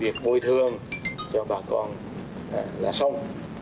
việc bồi thường cho bà con là xong